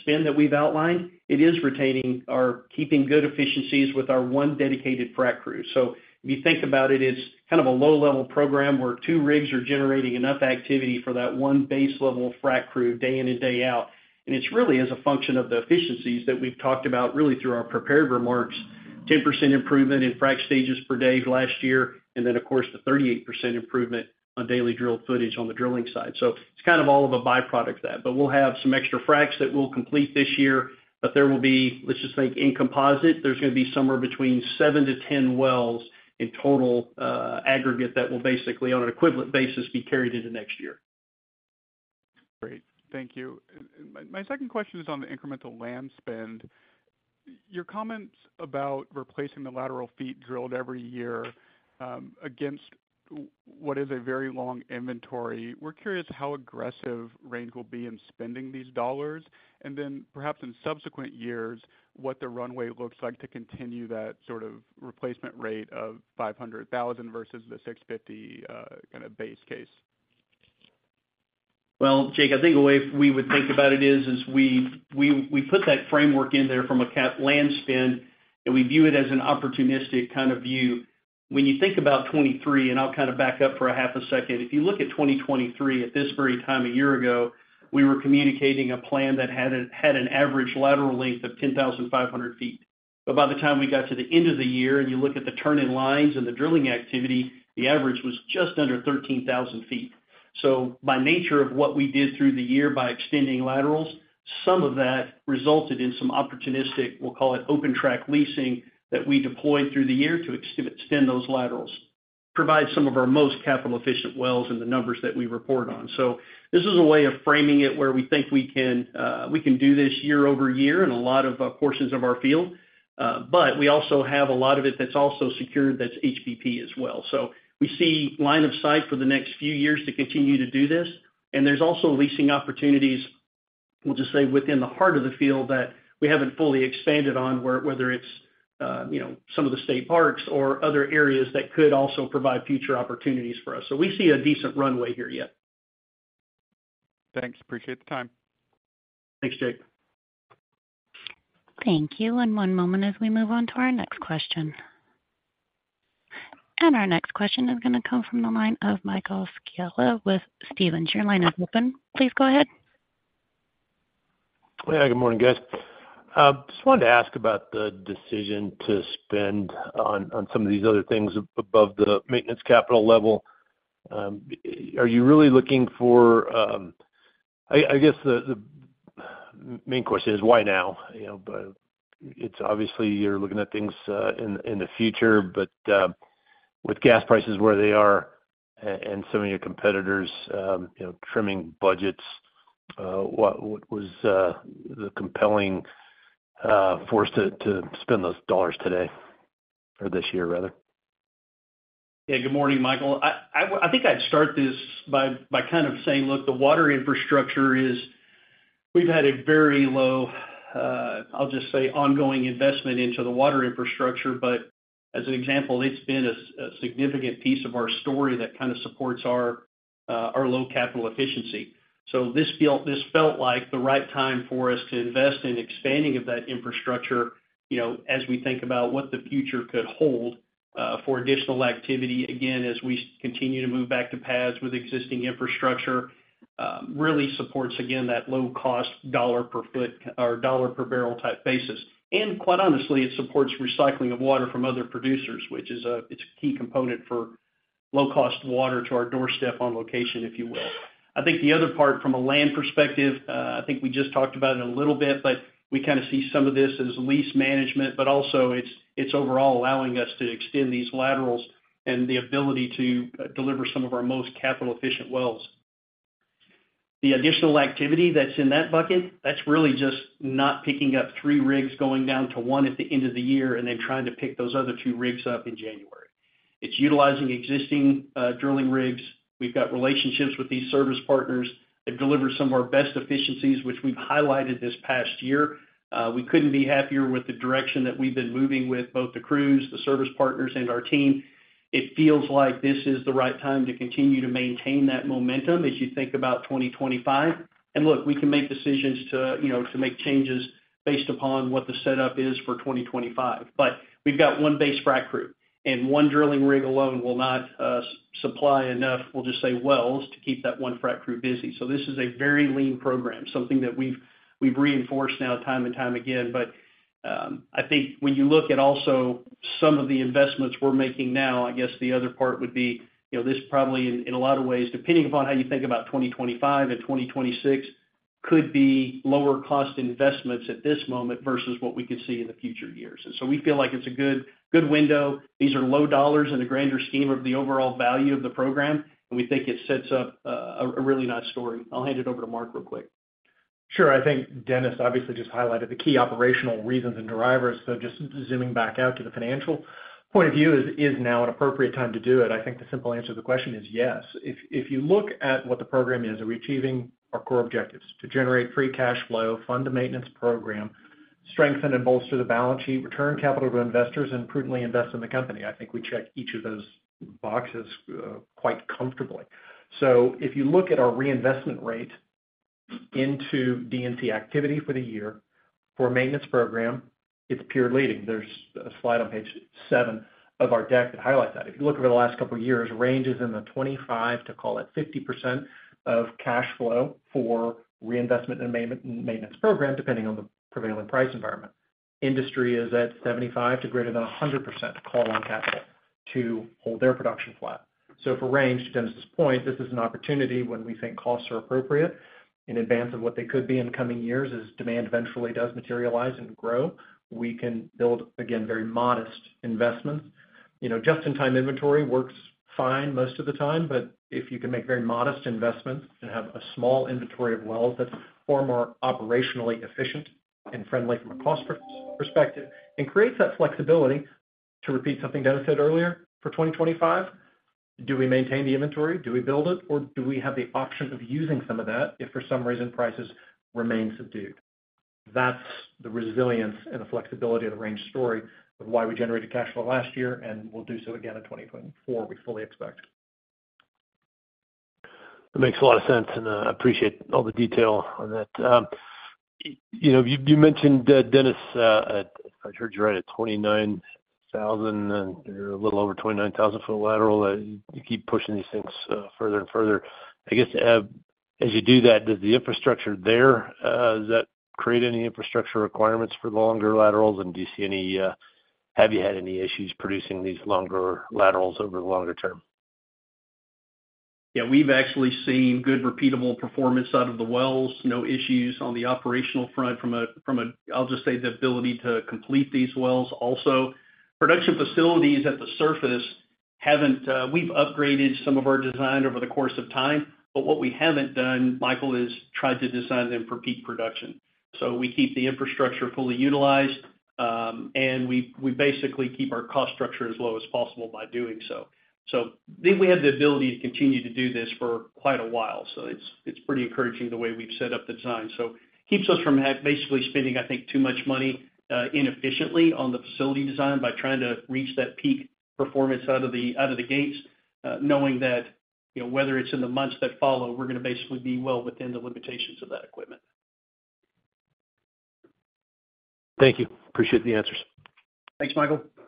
spend that we've outlined, it is retaining or keeping good efficiencies with our one dedicated frac crew. So if you think about it, it's kind of a low-level program where two rigs are generating enough activity for that one base-level frac crew day in and day out. And it really is a function of the efficiencies that we've talked about really through our prepared remarks, 10% improvement in frac stages per day last year, and then, of course, the 38% improvement on daily drilled footage on the drilling side. So it's kind of all of a byproduct of that. But we'll have some extra fracs that will complete this year, but there will be, let's just think, in composite, there's going to be somewhere between 7 to 10 wells in total aggregate that will basically, on an equivalent basis, be carried into next year. Great. Thank you. My second question is on the incremental land spend. Your comments about replacing the lateral feet drilled every year against what is a very long inventory, we're curious how aggressive Range will be in spending these dollars and then perhaps in subsequent years what the runway looks like to continue that sort of replacement rate of 500,000 versus the 650 kind of base case. Well, Jake, I think a way we would think about it is we put that framework in there from a land spend, and we view it as an opportunistic kind of view. When you think about 2023, and I'll kind of back up for a half a second, if you look at 2023 at this very time a year ago, we were communicating a plan that had an average lateral length of 10,500 feet. But by the time we got to the end of the year and you look at the turn-in lines and the drilling activity, the average was just under 13,000 feet. So by nature of what we did through the year by extending laterals, some of that resulted in some opportunistic, we'll call it open-track leasing that we deployed through the year to extend those laterals, provide some of our most capital-efficient wells and the numbers that we report on. So this is a way of framing it where we think we can do this year-over-year in a lot of portions of our field. But we also have a lot of it that's also secured that's HBP as well. So we see line of sight for the next few years to continue to do this. There's also leasing opportunities, we'll just say, within the heart of the field that we haven't fully expanded on, whether it's some of the state parks or other areas that could also provide future opportunities for us. So we see a decent runway here yet. Thanks. Appreciate the time. Thanks, Jake. Thank you. One moment as we move on to our next question. Our next question is going to come from the line of. Your line is open. Please go ahead. Hey. Good morning, guys. Just wanted to ask about the decision to spend on some of these other things above the maintenance capital level. Are you really looking for—I guess the main question is why now? But obviously, you're looking at things in the future. But with gas prices where they are and some of your competitors trimming budgets, what was the compelling force to spend those dollars today or this year, rather? Yeah. Good morning, Michael. I think I'd start this by kind of saying, look, the water infrastructure, we've had a very low, I'll just say, ongoing investment into the water infrastructure. But as an example, it's been a significant piece of our story that kind of supports our low capital efficiency. So this felt like the right time for us to invest in expanding of that infrastructure as we think about what the future could hold for additional activity. Again, as we continue to move back to pads with existing infrastructure, really supports, again, that low-cost dollar-per-foot or dollar-per-barrel type basis. And quite honestly, it supports recycling of water from other producers, which is a key component for low-cost water to our doorstep on location, if you will. I think the other part from a land perspective, I think we just talked about it a little bit, but we kind of see some of this as lease management. But also, it's overall allowing us to extend these laterals and the ability to deliver some of our most capital-efficient wells. The additional activity that's in that bucket, that's really just not picking up three rigs going down to one at the end of the year and then trying to pick those other two rigs up in January. It's utilizing existing drilling rigs. We've got relationships with these service partners that deliver some of our best efficiencies, which we've highlighted this past year. We couldn't be happier with the direction that we've been moving with both the crews, the service partners, and our team. It feels like this is the right time to continue to maintain that momentum as you think about 2025. And look, we can make decisions to make changes based upon what the setup is for 2025. But we've got one base frac crew, and one drilling rig alone will not supply enough, we'll just say, wells to keep that one frac crew busy. So this is a very lean program, something that we've reinforced now time and time again. But I think when you look at also some of the investments we're making now, I guess the other part would be this probably in a lot of ways, depending upon how you think about 2025 and 2026, could be lower-cost investments at this moment versus what we could see in the future years. And so we feel like it's a good window. These are low dollars in the grander scheme of the overall value of the program, and we think it sets up a really nice story. I'll hand it over to Mark real quick. Sure. I think Dennis obviously just highlighted the key operational reasons and drivers. So just zooming back out to the financial point of view, is now an appropriate time to do it? I think the simple answer to the question is yes. If you look at what the program is, are we achieving our core objectives to generate free cash flow, fund a maintenance program, strengthen and bolster the balance sheet, return capital to investors, and prudently invest in the company? I think we check each of those boxes quite comfortably. So if you look at our reinvestment rate into D&C activity for the year for a maintenance program, it's purely leading. There's a slide on page 7 of our deck that highlights that. If you look over the last couple of years, Range is in the 25 to, call it, 50% of cash flow for reinvestment and maintenance program, depending on the prevailing price environment. Industry is at 75% to greater than 100% call-on capital to hold their production flat. So for Range, to Dennis's point, this is an opportunity when we think costs are appropriate in advance of what they could be in coming years. As demand eventually does materialize and grow, we can build, again, very modest investments. Just-in-time inventory works fine most of the time. But if you can make very modest investments and have a small inventory of wells that's far more operationally efficient and friendly from a cost perspective and creates that flexibility to repeat something Dennis said earlier for 2025, do we maintain the inventory? Do we build it, or do we have the option of using some of that if for some reason prices remain subdued? That's the resilience and the flexibility of the Range story of why we generated cash flow last year, and we'll do so again in 2024. We fully expect. That makes a lot of sense, and I appreciate all the detail on that. You mentioned, Dennis, I heard you're at a 29,000 and a little over 29,000-foot lateral. You keep pushing these things further and further. I guess as you do that, does the infrastructure there does that create any infrastructure requirements for longer laterals? And do you see any have you had any issues producing these longer laterals over the longer term? Yeah. We've actually seen good repeatable performance out of the wells, no issues on the operational front from a I'll just say the ability to complete these wells. Also, production facilities at the surface, we've upgraded some of our design over the course of time. But what we haven't done, Michael, is tried to design them for peak production. So we keep the infrastructure fully utilized, and we basically keep our cost structure as low as possible by doing so. So we have the ability to continue to do this for quite a while. So it's pretty encouraging the way we've set up the design. So it keeps us from basically spending, I think, too much money inefficiently on the facility design by trying to reach that peak performance out of the gates, knowing that whether it's in the months that follow, we're going to basically be well within the limitations of that equipment. Thank you. Appreciate the answers. Thanks, Michael. Thank you.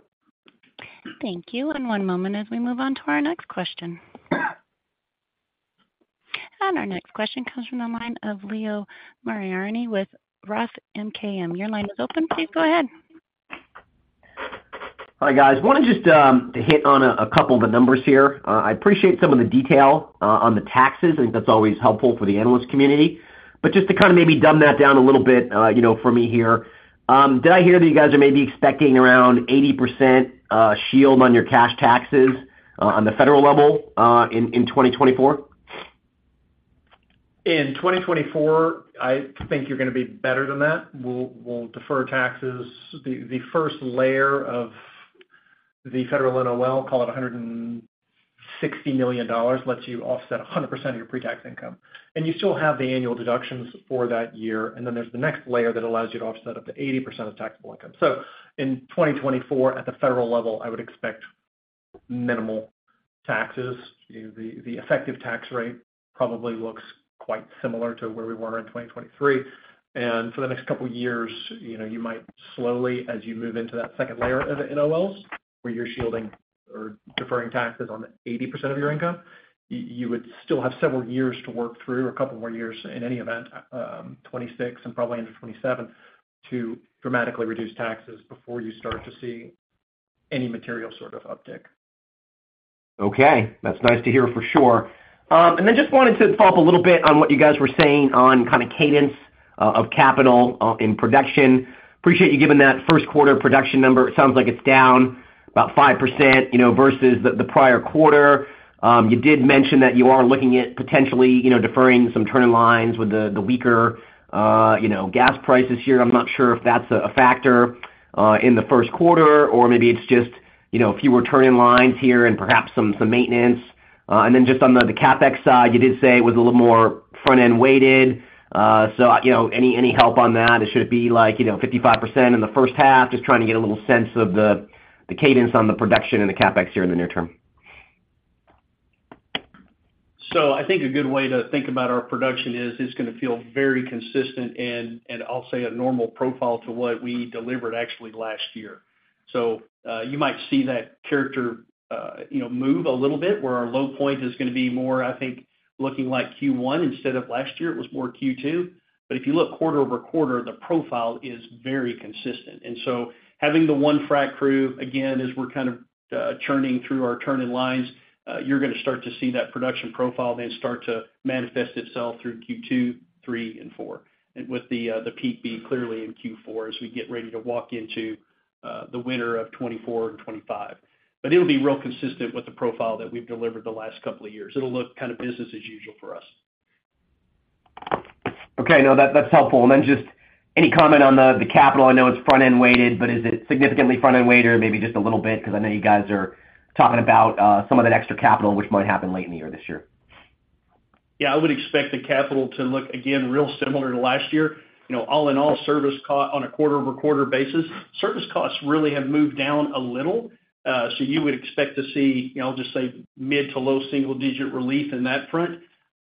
And one moment as we move on to our next question. And our next question comes from the line of Leo Mariani with Roth MKM. Your line is open. Please go ahead. Hi, guys. Wanted just to hit on a couple of the numbers here. I appreciate some of the detail on the taxes. I think that's always helpful for the analyst community. But just to kind of maybe dumb that down a little bit for me here, did I hear that you guys are maybe expecting around 80% shield on your cash taxes on the federal level in 2024? In 2024, I think you're going to be better than that. We'll defer taxes. The first layer of the federal NOL, call it $160 million, lets you offset 100% of your pre-tax income. And you still have the annual deductions for that year. And then there's the next layer that allows you to offset up to 80% of taxable income. So in 2024, at the federal level, I would expect minimal taxes. The effective tax rate probably looks quite similar to where we were in 2023. For the next couple of years, you might slowly, as you move into that second layer of NOLs where you're shielding or deferring taxes on 80% of your income, you would still have several years to work through, a couple more years in any event, 2026 and probably into 2027, to dramatically reduce taxes before you start to see any material sort of uptick. Okay. That's nice to hear, for sure. And then just wanted to follow up a little bit on what you guys were saying on kind of cadence of capital in production. Appreciate you giving that Q1 production number. It sounds like it's down about 5% versus the prior quarter. You did mention that you are looking at potentially deferring some turn-in lines with the weaker gas prices here. I'm not sure if that's a factor in the Q1, or maybe it's just fewer turn-in lines here and perhaps some maintenance. And then just on the CapEx side, you did say it was a little more front-end weighted. So any help on that? Should it be like 55% in the first half, just trying to get a little sense of the cadence on the production and the CapEx here in the near term? So I think a good way to think about our production is it's going to feel very consistent and, I'll say, a normal profile to what we delivered actually last year. So you might see that character move a little bit where our low point is going to be more, I think, looking like Q1 instead of last year. It was more Q2. But if you look quarter-over-quarter, the profile is very consistent. So having the 1 frac crew, again, as we're kind of churning through our turn-in lines, you're going to start to see that production profile then start to manifest itself through Q2, Q3, and Q4, with the peak being clearly in Q4 as we get ready to walk into the winter of 2024 and 2025. But it'll be real consistent with the profile that we've delivered the last couple of years. It'll look kind of business as usual for us. Okay. No, that's helpful. And then just any comment on the capital? I know it's front-end weighted, but is it significantly front-end weighted or maybe just a little bit? Because I know you guys are talking about some of that extra capital, which might happen late in the year this year. Yeah. I would expect the capital to look, again, real similar to last year. All in all, service cost on a quarter-over-quarter basis, service costs really have moved down a little. So you would expect to see, I'll just say, mid- to low single-digit relief in that front.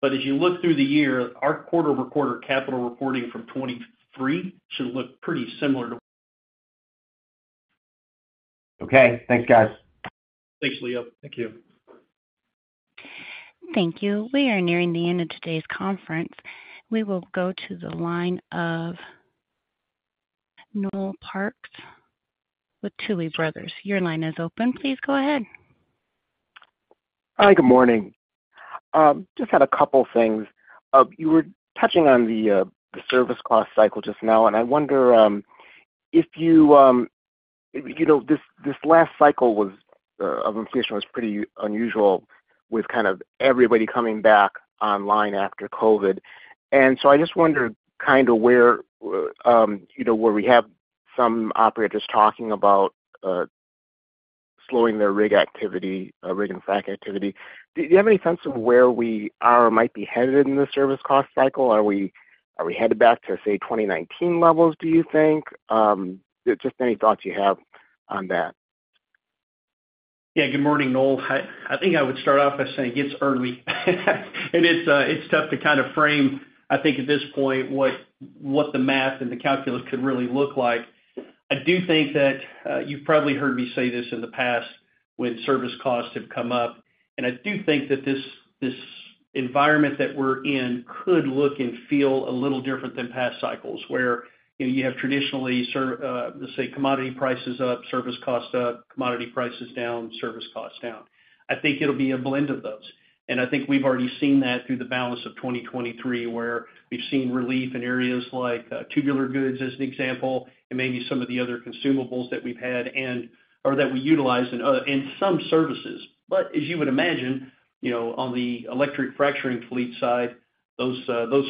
But as you look through the year, our quarter-over-quarter capital reporting from 2023 should look pretty similar to. Okay. Thanks, guys. Thanks, Leo. Thank you. Thank you. We are nearing the end of today's conference. We will go to the line of Noel Parks with Tuohy Brothers. Your line is open. Please go ahead. Hi. Good morning. Just had a couple of things. You were touching on the service cost cycle just now, and I wonder if you this last cycle of inflation was pretty unusual with kind of everybody coming back online after COVID. So I just wonder kind of where we have some operators talking about slowing their rig activity, rig and frac activity. Do you have any sense of where we are or might be headed in the service cost cycle? Are we headed back to, say, 2019 levels, do you think? Just any thoughts you have on that. Yeah. Good morning, Noel. I think I would start off by saying it's early, and it's tough to kind of frame, I think, at this point what the math and the calculus could really look like. I do think that you've probably heard me say this in the past when service costs have come up. And I do think that this environment that we're in could look and feel a little different than past cycles where you have traditionally, let's say, commodity prices up, service costs up, commodity prices down, service costs down. I think it'll be a blend of those. And I think we've already seen that through the balance of 2023 where we've seen relief in areas like tubular goods as an example and maybe some of the other consumables that we've had or that we utilize in some services. But as you would imagine, on the electric fracturing fleet side, those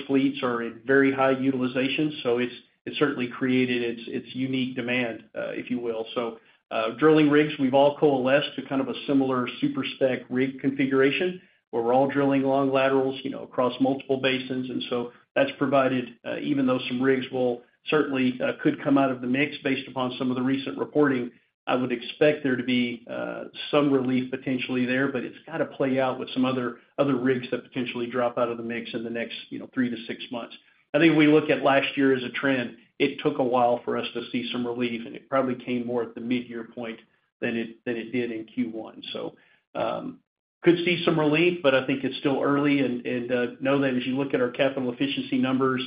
fleets are in very high utilization. So it's certainly created its unique demand, if you will. So drilling rigs, we've all coalesced to kind of a similar super-spec rig configuration where we're all drilling long laterals across multiple basins. And so that's provided even though some rigs will certainly could come out of the mix based upon some of the recent reporting, I would expect there to be some relief potentially there. But it's got to play out with some other rigs that potentially drop out of the mix in the next 3 to 6 months. I think if we look at last year as a trend, it took a while for us to see some relief, and it probably came more at the mid-year point than it did in Q1. So could see some relief, but I think it's still early. Know that as you look at our capital efficiency numbers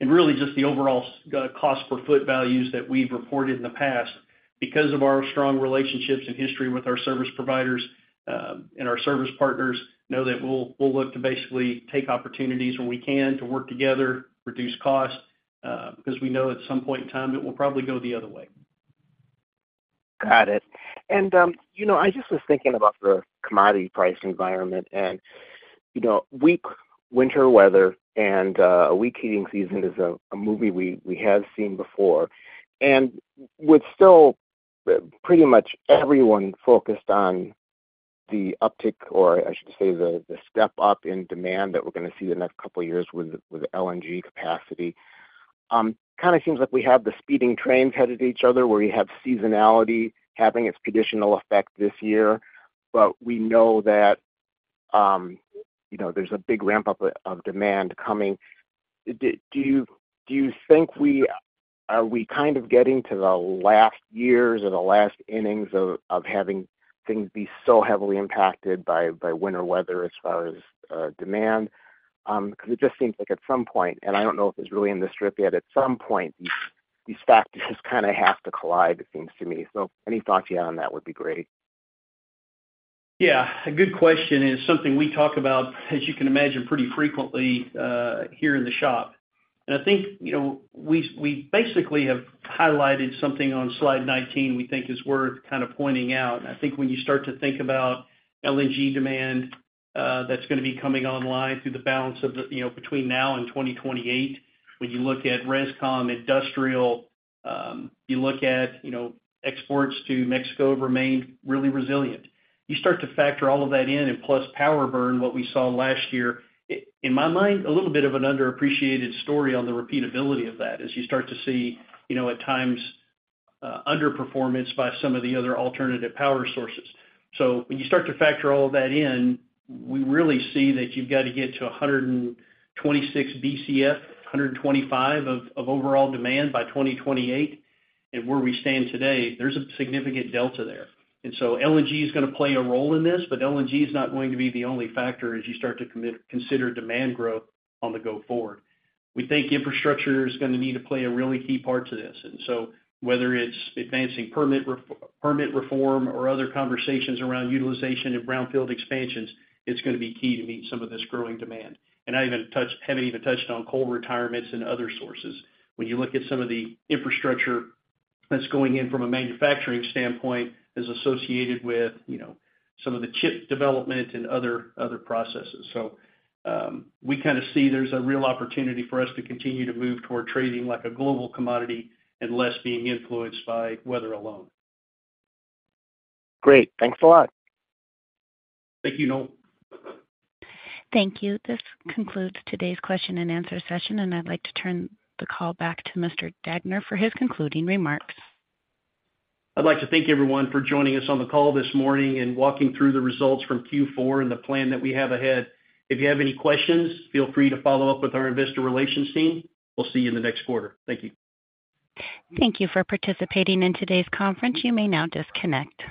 and really just the overall cost-per-foot values that we've reported in the past, because of our strong relationships and history with our service providers and our service partners, know that we'll look to basically take opportunities when we can to work together, reduce cost, because we know at some point in time, it will probably go the other way. Got it. I just was thinking about the commodity price environment. Weak winter weather and a weak heating season is a movie we have seen before. With still pretty much everyone focused on the uptick, or I should say the step up in demand that we're going to see the next couple of years with LNG capacity, kind of seems like we have the speeding trains headed to each other where you have seasonality having its conditional effect this year. But we know that there's a big ramp-up of demand coming. Do you think we kind of getting to the last years or the last innings of having things be so heavily impacted by winter weather as far as demand? Because it just seems like at some point and I don't know if it's really in this strip yet. At some point, these factors kind of have to collide, it seems to me. So any thoughts you have on that would be great. Yeah. A good question is something we talk about, as you can imagine, pretty frequently here in the shop. And I think we basically have highlighted something on slide 19 we think is worth kind of pointing out. And I think when you start to think about LNG demand that's going to be coming online through the balance of the between now and 2028, when you look at Res/Com industrial, you look at exports to Mexico have remained really resilient. You start to factor all of that in, and plus power burn, what we saw last year, in my mind, a little bit of an underappreciated story on the repeatability of that as you start to see at times underperformance by some of the other alternative power sources. So when you start to factor all of that in, we really see that you've got to get to 126 BCF, 125 of overall demand by 2028. And where we stand today, there's a significant delta there. And so LNG is going to play a role in this, but LNG is not going to be the only factor as you start to consider demand growth on the go-forward. We think infrastructure is going to need to play a really key part to this. And so whether it's advancing permit reform or other conversations around utilization and brownfield expansions, it's going to be key to meet some of this growing demand. And I haven't even touched on coal retirements and other sources. When you look at some of the infrastructure that's going in from a manufacturing standpoint is associated with some of the chip development and other processes. So we kind of see there's a real opportunity for us to continue to move toward trading like a global commodity and less being influenced by weather alone. Great. Thanks a lot. Thank you, Noel. Thank you. This concludes today's question and answer session, and I'd like to turn the call back to Mr. Degner for his concluding remarks. I'd like to thank everyone for joining us on the call this morning and walking through the results from Q4 and the plan that we have ahead. If you have any questions, feel free to follow up with our investor relations team. We'll see you in the next quarter. Thank you. Thank you for participating in today's conference. You may now disconnect.